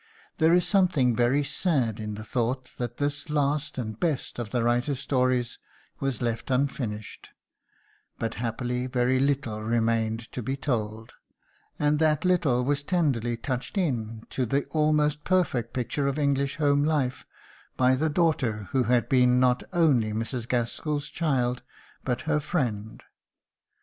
There is something very sad in the thought that this last and best of the writer's stories was left unfinished; but happily very little remained to be told, and that little was tenderly touched in to the almost perfect picture of English home life by the daughter who had been not only Mrs. Gaskell's child but her friend.